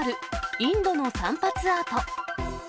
インドの散髪アート。